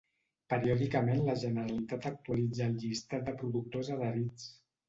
Periòdicament la Generalitat actualitza el llistat de productors adherits.